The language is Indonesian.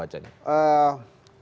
apa yang anda baca